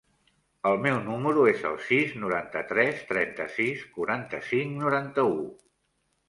El meu número es el sis, noranta-tres, trenta-sis, quaranta-cinc, noranta-u.